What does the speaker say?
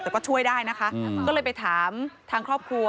แต่ก็ช่วยได้นะคะก็เลยไปถามทางครอบครัว